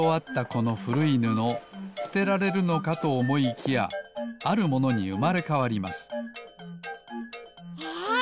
このふるいぬのすてられるのかとおもいきやあるものにうまれかわりますえ？